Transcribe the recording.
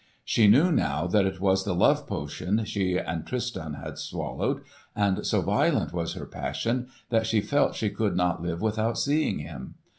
She knew now that it was the love potion she and Tristan had swallowed, and so violent was her passion that she felt she could not live without seeing him.